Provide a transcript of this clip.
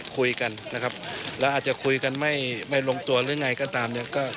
คุยกันนะครับแล้วอาจจะคุยกันไม่ลงตัวหรือไงก็ตามเนี่ย